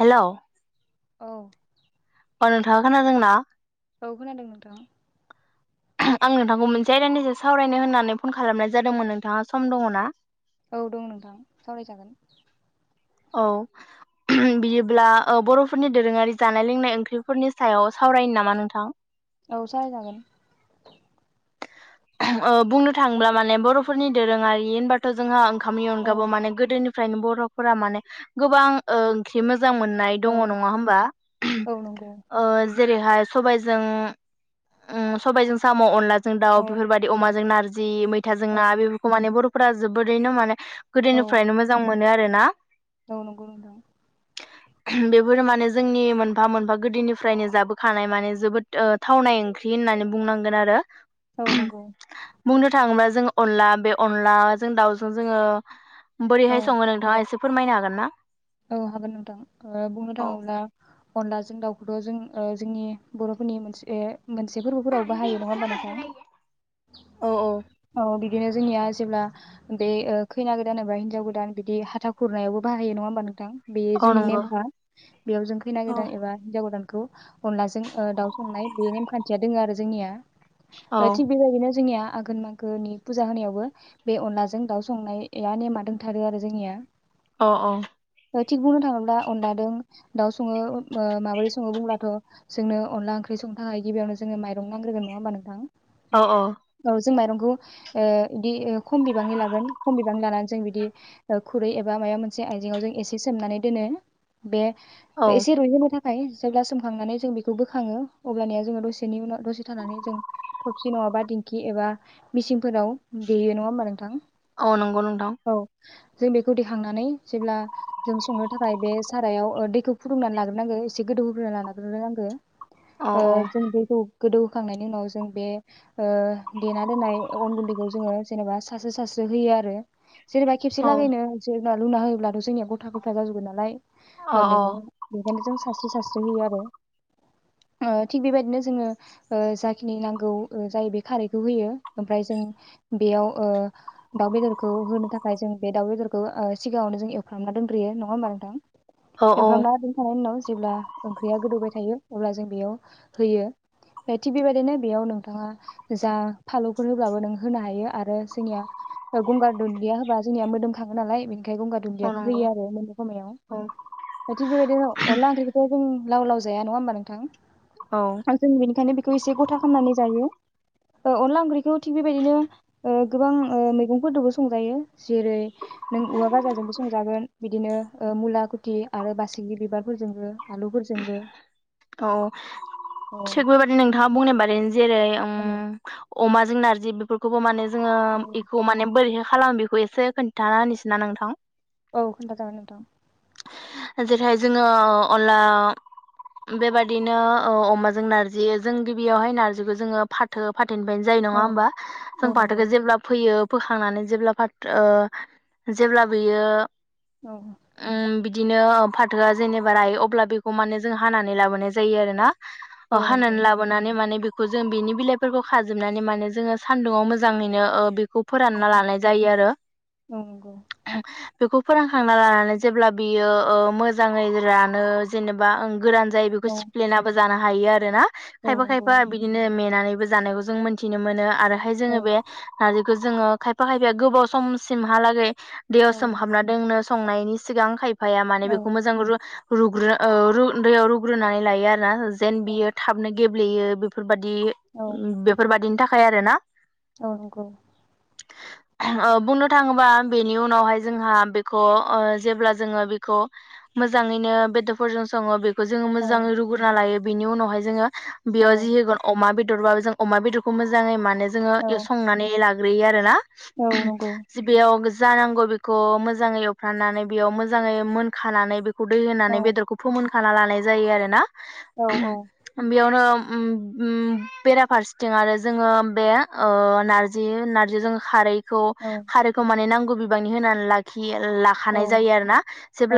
हेल'। औ अ नोंथाङा खोनादोंना? औ खोनादों नोंथां। आं नोंथांखौ मोनसे आयदानि सावरायनो होननानै फन खालामनाय जादोंमोन नोंथाङा सम दङ ना? औ दं नोंथां सावरायजागोन। औ बिदिब्ला ओ बर'फोरनि दोरोङारि जानाय लोंनाय ओंख्रिफोरनि सायाव सावरायो नामा नोंथां? औ सावरायजागोन। ओ बुंनो थाङोब्ला माने बर'फोरनि दोरोङारि होनबाथ' जोंहा ओं खामनि औ अनगाबो माने गोदोनि फ्रायनो बर'फोरा माने गोबां ओंख्रि मो जां मोननाय औ दङ नङा होमबा औ नंगौ ओ जेरैहाय सबायजों उम सबायजों साम'अनला जों दाउ औ बेफोरबायदि अमाजों नारजि [unintelligible] [unintelligible] जों औ ना बेफोरखौ माने बर' [unintelligible] [unintelligible] जोबोदैनो माने औ गोदोनिफ्रायनो मोजां मोनो आरो ना। औ नंगौ नोंथां। बेफोर माने जोंनि मोनफा -मोनफा गोदोनिफ्रायनो जाबोखानाय माने जोबोद ओह थावनाय ओंख्रि होननानै बुंनांगोन आरो। औ नंगौ। बुंनो थाङोब्ला जों अनला बे अनला जों दाउजों जोङो औ बोरैहाय सङो नोंथाङा एसे फोरमायनो हागोन ना? औ हागोन नोंथां ओह बुंनो औ थाङोब्ला अनला जों दाउखौथ' जों ओह जोंनि बरफोरनि मोनसे मोनसे फोरबोफोराव बाहायो नङा होमबा नोंथां औ औ [unintelligible] बिदिनो जोंनिया जेब्ला बे ओह खैना गोदान एबा हिनजाव गोदान बिदि हाथा खुरनायावबो बाहायो नङा होमबा नोंथां [unintelligible] बेयो जोंनि नंगौ नेमखा बेयाव जों खैना गोदान एबा हिनजाव गोदान बेखौ अनलाजों ओह दाउ संनाय बे नेमखान्थिया दोङो आरो जोंनिया। औ थिग बेबायदिनो जोंनिया आघोन मागोनि फुजा होनायावबो बे अनलाजों दाउ संनाया नेमा दोंथारो आरो जोंनिया। अ अ। थिग बुंनो थाङोब्ला अनलादों दाउ सङो ओह माबोरै सङो बुंब्लाथ जोंनो अनला ओंख्रि संनो थाखाय गिबियावनो जोङो माइरं नांग्रोगोन नङा होमबा नोंथां। औ औ। जों माइरंखौ ओह बिदि खम बिबांनि लागोन खम बिबांनि लानानै जों बिदि खुरै एबा माबा मोनसे आइजेंआव जों एसे इसे सोमनानै दोनो बे औ एसे रुयहोनो [unintelligible] ओमफ्राय जेब्ला सोमखांनानै जों बेखौ बोखाङो अब्लानिया जोङो दसेनि उनाव दसे थानानै जों थबसि नङाबा दिंखि एबा मिचिनफोराव देयो नङा होमबा नोंथां? औ नंगौ नोंथां। औ जों बेखौ दिखांनानै जेब्ला जों संनो थाखाय बे सारायाव ओ दैखौ फुदुंनानै लाग्रोनांगो एसे गोदौ होग्रोना लाग्रोनांगो। औ औ ओह जों दैखौ गोदौ होखांनायनि उनाव जों बे ओ देना दोननाय अन गुन्दैखौ जोङो जेनेबा सारस्रो सारस्रो होयो आरो। जेनेबा खेबसे औ लागायनो जो लुना होयोब्लाथ' जोंनिया गथा गथा- गथा जाजोबोन नालाय औ मैगं बेखायनो जों सास्रि -सास्रि होयो आरो। ओ थिग बेबायदिनो जोङो ओ जाखिनि नांगौ ओ जायो बे खारैखौ होयो ओमफ्राय जों बेयाव ओ दाउ बेदरखौ होनो थाखाय जों बे दाउ बेदरखौ ओ सिगाङावनो जों एवफ्रामना दोन ग्रोयो नङा मा नोंथां? औ औ एवफ्रामना दोनखानायनि उनाव जेब्ला ओंख्रिया गोदौबाय थायो अब्ला जों बेयाव होयो थिग बेबायदिनो बेयाव नोंथाङा जा फालौफोर होब्लाबो नों होनो हायो आरो जोंनिया गंगार दुन्दिया होबा जोंनिया मोदोमखाङो नालाय गंगार औ दुन्दिखौ नंगौ होयो आरो। खमायाव दा थिग बेबायदिनो अनला ओंख्रिखौथ' जों लाव लाव जाया नङा होमबा नोंथां? औ औ आं जों बेनिखायनो बे खौ एसे गथा खामनानै जायो। अनला ओ ओंख्रिखौ थिग बेबायदिनो ओ गोबां ओ मैगंफोरदोंबो संजायो जेरै नों औवा गाजाजोंबो संजागोन। बिदिनो ओ मुला खुथि आरो बासिगि बिबारफोरजोंबो आलुफोरजोंबो। औ औ थिग बेबादिनो नोंथाङा बुंनाय बादिनो जेरै उम औ। अमाजों नारजि बेफोरखौबो माने जोङो औ एखौ माने बोरैहाय खालामो बेखौ एसे खोन्थाना होनोसैना नोंथां। औ खोन्थाजागोन नोंथां‌। जेरैहाय जोङो अनला बेबादिनो ओ अमाजों नारजि जों गिबियावहाय नारजिखौ जोङो फाथो फाथ फाथनिफ्रायनो जायो नङा औ होमबा। जों औ नंगौ फाथोखौ जेब्ला फैयो बोखांनानै जेब्ला फाथ ओ जेब्ला बियो औ। बिदिनो फाथोआ जेनेबा रायो अब्ला बेखौ माने जों हानानै लाबोनाय जायो आरो ना। अ औ नंगौ हानानै लाबोनानै माने बि खौ जों बि बेनि बिलाइफोरखौ खाजोबनानै माने जोङो सान्दुुंआव मोजाङैनो ओ बि खौ औ फोरानना लानाय जायो आरो। औ नंगौ बेखौ फोरोंखांना लानानै जेब्ला बियो ओ मोजाङै रानो जेनेबा ओं गोरान जायो बेखौ औ सिप्लिनाबो जानो हायो आरो ना। औ खायफा नंगौ खायफा बिदिनो मेनानै बो जानायखौ जों मोनथिनो मोनो। आरोहाय औ जोङो बे नारजि जोङो खायफा खायफाया गोबाव समसिमहालागै दैयाव औ सोम हाबना दोंनो संनायनि सिगां खायफ बिफाया माने औ बेखौ मोजां रू रुग्रो अ रु दैयाव रुग्रोनानै लायो आरोना। जेन औ बियो थाबनो गेब ब्लेयो बेफोरबाय दि औ बेफोरबायदिनि था खाय आरो ना। औ नंगौ। ओ बुंनो थाङोबा बेनि उनावहाय जोंहा बेखौ ओ जेब्ला जोङो बेखौ मोजाङैनो बेदरफोरजों सङो बे खौ जोङो औ मोजाङै रुग्रोना लायो बिनि उनावहाय जोङो बियो जि होगोन अमा बे दर बाबो जों अमा बेदरखौ मोजाङै मानो जोङो औ बे संनानै ला ग्रैयो आरो ना। औ नंगौ जे बेयाव जानांगौ बेखौ मोजाङै एवफ्रानानै बेयाव मोजाङै मोनखानानै बेखौ उदै औ होनानै बेदरखौ होखाना लानाय जायो आरो ना। औ [unintelligible] औ बेयावनो उम उम बेराफारसेथिं आरो जोङो बे ओ नारजि नारजिजों खारै खौ खारैखौ माने नांगौ बिबांनि होनानै लाखियो लाखानाय जायो औ आरोना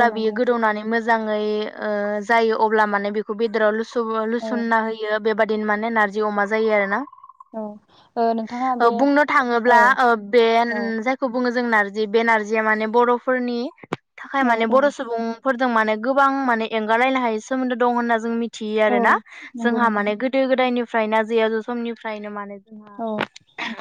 औ बियो नंगौ गोदौनानै मो जाङै ओ जायो अब्ला माने बेखौ बेदराव लु सुबो औ लुसना होयो। बेबादिनो माने नारजि अमा जायो आरो ना। औ ओ नोंथाङा ओ बे बुंनो औ थाङोब्ला ओ बे उम औ जायखौ बुङो जों नारजि बे नारजिया माने बर'फोरनि थाखाय औ माने औ बर' सुबुं फोरजों माने गोबां माने एंगारलायनो हाय सोमोन्दो दं होनना जों मिथि यो औ आरोना नंगौ जोंहा नोंथां माने गोदो गोदायनि फ्राय ना जेल समनिफ्रायनो माने औ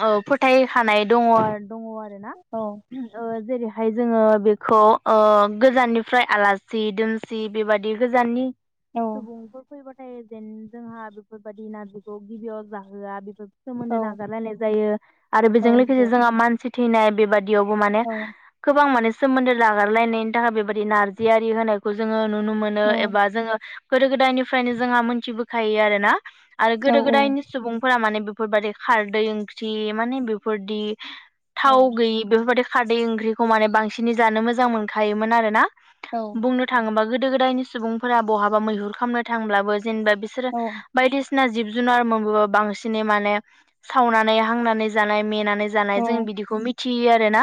औ फोथायो थानाय दङ आरो दङ' आरोना औ ओम ओ जेरै - हाय जोङो बेखौ ओ गोजाननिफ्राय आलासि दोनसि बेबादि गोजाननि औ सुबुंफोर फैबा थाय जेन जोंहा बेफोरबायदि नारजिखौ गिबियाव जाहोआ बेफोर सोमोन्दो औ नागारलायनाय जायो आरो औ बेजों लोगोसे नंगौ जोंहा मानसि थिनाय बे यावनो माने औ गोबां माने सोमोन्दो लागारलायनायनि थाखाय बेबायदि नारजियारि होनायखौ जोङो। नुनो मोनो एबा औ जोङो गोदो गोदायनिफ्रायनो जोंहा मोनथिबोखायो आरोना आरो गोदो गोदायनि सुबुंफोरा माने बे बेफोरबादि खारदै ओंख्रि माने बेफोरदि औ थाव गैयि बेफोरबायदि खारदै ओंख्रिखौ माने बांसिनै जानो मोजां मोनखायोमोन आरोना बुंनो थाङोबा गो गोदायनि सुबुंफोरा बहाबा मैहुर खालामनो थांब्लाबो जेनेबा बिसोरो औ बायदिसिना जिब जुनार मोनबोबा बांसिनै माने सावनानै हांनानै जानाय मेना जानाय जों औ बिदिखौ मि थियो आरोना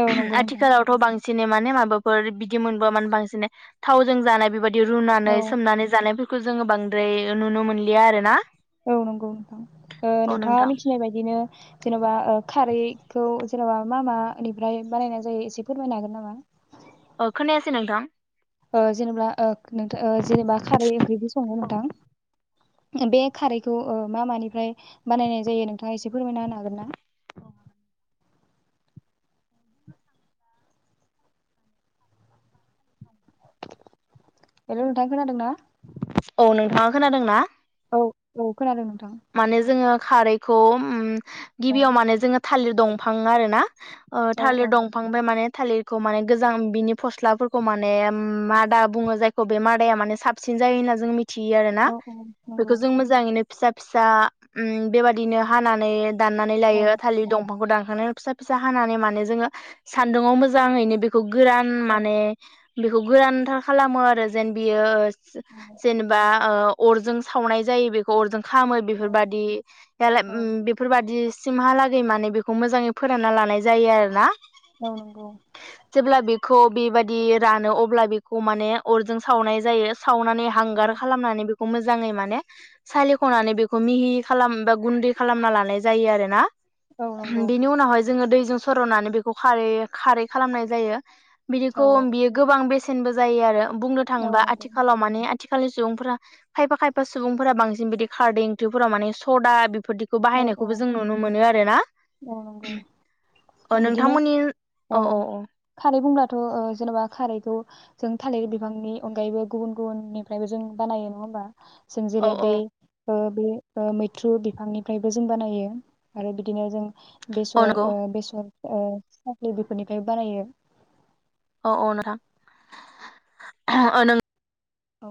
औ नंगौ नोंथां आथिखालावथ' बां सिनै माने माबाफोर बिदि मोनबो माने बांसिन थावजों जानाय बेबायदि बिदि रुनानै औ सोमनानै जानाय खौ जोङो बांद्राय नुनो मोनलिया आरो ना औ नंगौ नोंथां ओ नोंथां मिथिनाय बायदिनो जेन'बा खारैखौ जेनेबा मा मानिफ्राय बानायनाय जायो एसे फोरमायनो हागोन नामा? अ खोनायासै नोंथां ओ जेनेबा ओ जेनेबा खारै ओंख्रिबो सङो नोंथां बे खारैखौ ओ मा मानिफ्राय बानायनाय जायो नों थांङा एसे फोरमायना होनो हागोन ना? हेलौ नोंथां खोनादों ना? औ नोंथाङा खोनादों ना? औ औ खोनादों नोंथां। माने जोङो खारैखौ उम औ गिबियाव माने जोङो थालिर दंफां आरोना ओ औ थालिर दंफांफाय माने थालिरखौ माने गोजां बिनि फस्लाफोरखौ माने मादा बुङो जायखौ बे मादाया माने साबसिन जायो होनना जों मि थियो आरो ना, औ बेखौ नंगौ जों मोजाङैनो फिसा फिसा उम बे बादिनो हानानै दाननानै औ लायो थालिर दंफांखौ दानखांनाय फिसा फिसा हानानै माने जोङो सान्दुङाव मोजाङैनो बेखौ गोरान औ माने बेखौ गोरानथार खालामो आरो जेन बियो जेनेबा ओ अरजों सावनाय जायो बेखौ अरजों खालामो बेफोरबादि [unintelligible] औ उम बेफोरबादि सिमहालागै माने बेखौ मोजाङै फोरानना लानाय जायो आरो ना। औ नंगौ खौ बे बादि रानो अब्ला बेखौ माने अरजों सावनाय जायो। सावनानै हांगार औ खालामनानै बे खौ मोजाङै माने सालि खनानै बेखौ मिहि खालाम बा गुन्दै खालामना लानाय जायो आरो ना। औ नंगौ बिनि उनावहाय जोङो दै जों सर'नानै बेखौ खारै खारै खालामनाय जायो। बिदिखौ औ बियो गोबां बेसे नबो जायो आरो बुंनो औ थाङोबा नंगौ आथिखालाव माने आथिखालनि सुबुंफोरा खायफा खायफा सुबुंफोरा बांसिन बिदि खारदै ओंथोफोराव माने सदा बे फोरदिखौ औ औ बाहायनायखौबो जों नुनो मोनो आरोना। औ नंगौ [inaudible] बिदिनो नोंथांमोननि औ खारै बुंब्लाथ' ओ जेनेबा खारैखौ जों थालिर बिफांनि अनगायैबो गुबुन गुबुननिफ्रायबो जों बानायो नङा होमबा? जों औ जेरै औ बे बे मैथ्रु बिफांनिफ्रायबो जों बानायो आरो बिदिनो जों बेसर औ बेसर औ साख्रि बेफोरनिफ्राय बारायो औ औ नोंथां औ नों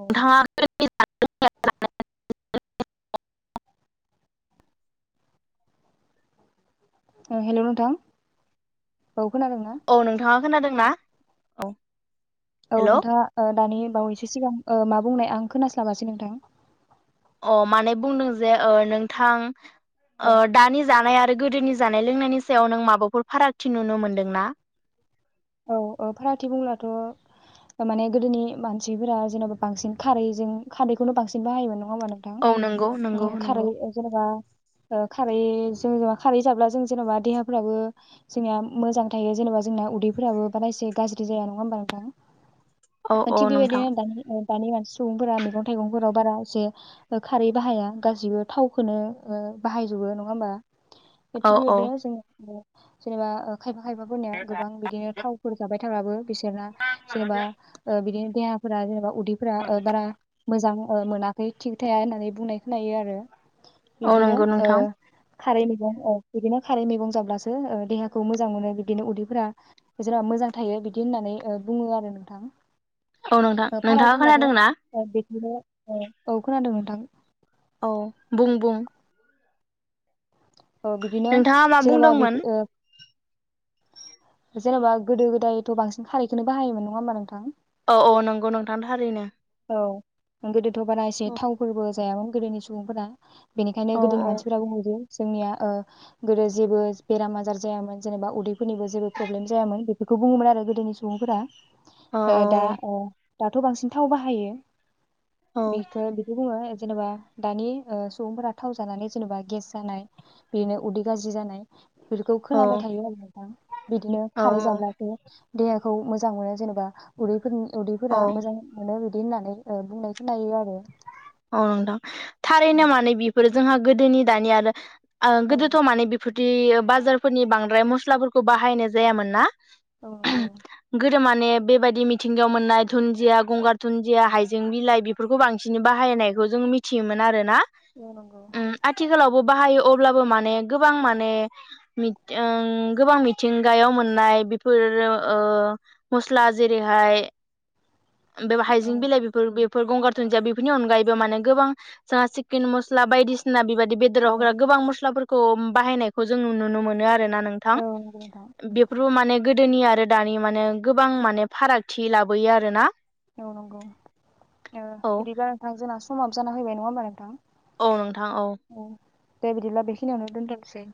औ थाङाखै [unintelligible] हेल' नोंथां औ खोनादोंना औ नोंथाङा खोनादोंना औह औ नोंथाङा ओ दानि बावैसो सिगां औ मा बुंनाय आं खोनास्लाबासै नोंथां अ माने बुंदों जे औ नोंथां औ दानि जानायात गोदोनि जानाय लोंनायनि सायाव नों माबाफोर फारागथि नुनो मोनदोंना औ औ फारागथि बुंब्लाथ' माने गोदोनि मानसिफोरा जेन'बा बांसिन खारैजों खारैखौनो बांसिन बाहायोमोन नङा होमबा औ नंगौ नंगौ नोंथां खारै नंगौ। जेनेबा खारै जों जेनबा खारै जाब्ला जों जेनेबा देहाफ्राबो जोंनिया मोजां थायो जेनेबा जोंना उदै फोराबो बाराय इसे गाज्रि जाया नङा होमबा औ नोंथां औ थिग नोंथां बेबायदिनो दानि मानसि सुबुंफोरा मैगं थाइगंफोराव बारा एसे खारै बाहाया गासैबो थावखौनो बाहायजोबो नङा होमबा औ बेथिंबो औ बेदिनो जों जेनेबा अह खायफा खायफा फोरनिया गोबां बिदिनो थावफोर जाबाय बिथाङाबो बिसोरना सोरनिबा बिदिनो देहा फोरा [inaudible] उदैफोरा ओ बारा मोजां मोनाखै थिग थाया होननानै बुंनाय खोनायो आरो औ बिबदिनो नंगौ नोंथां ओह खारै मैगं ओ बिदिनो खारै मैगं जाब्लासो देहाखौ मोजां मोनो बिबदिनो उदैफोरा जेनबा मोजां थायो बिदि होननानै बुङो आरो नोंथां औ नोंथां ओ फाराग नोंथाङा बुंब्लाथ' खोनादों ना ओ [inaudible] औ खोनादों नोंथां औ बुं-बुं ओ बिदिनो नोंथाङा मा जेनेबा बि बुंदोंमोन? ओ जेन'बा गोदो गोदायथ' बांसिन खारैखौनो बाहायोमोन नङा होमबा नोंथां? औ औ नंगौ नोंथां थारैनो। औ गोदो थ' बारा एसे औ थावफोरबो जायामोन गोदोनि सुबुंफोरा। बेनिखायनो औ गोदोनि मानसिफोरा [unintelligible] जोंनिया ओ गोदो जेबो बेराम आजार जायामोन जेनेबा उदैफोरनिबो जेबो प्रब्लेम जायामोन बेफोरखौ बुङोमोन आरो गोदोनि सुबुंफोरा। औ ओ औ दा अ दाथ' बांसिन थाव बाहायो औ [unintelligible] जेनेबा दानि ओ सुबुंफोरा थाव जानानै जेनेबा गेस जानाय बिदिनो उदै गाज्रि जानाय बेफोरखौ खोनाबाय थायो आरो नोंथां। बिदिनो औ खारै जाब्लासो देहाखौ मोजां मोनो जेनेबा उदैफोरनि उदैफोरा औ मोजां बिदि होननानै ओ बुंनाय खोनायो आरो। औ नोंथां। उम थारैनो माने बेफोरो जोंहा गोदोनि दानि आरो ओ औ गोदोथ' माने बेफोर बिदि बाजारफोरनि बांद्राय मस्लाफोर खौ बाहायनाय जायामोन ना औ नंगौ गो दो माने बेबायदि मिथिंगायाव मोननाय दुन्दिया गंगार दुनन्दिया हाइजें बिलाइ बेफोरखौ बां सिन बाहायनायखौ जों मिथियोमोन आरो ना। औ नंगौ बाहायो अब्लाबो माने गोबां माने मिथ ओ गोबां मिथिंगायाव मोननाय बेफोर ओ मस्ला जेरैहाय बे औ हाइजें बिलाइ बेफोर बे फोर गंगार दुन्दिया बेफोरनि अनगायैबो माने गोबां जोंङा चिकेन मस्ला बायदिसिना बिबा दि बेदराव औ होग्रा गोबां मस्लाफोर खौ बाहायनायखौ जों नुनो मोनो आरो ना नोंथां औ नंगौ नोंथां बेफोर माने गोदोनि आरो दानि माने गोबां माने फारागथि लाबोयो आरो ना? औ नंगौ औ बिदि थां जोंना समा जाना फैबाय नंङा होनबा नोंथां औ नोंथां औ दे बिदिब्ला बेखिनियावनो दोनथ'नोसै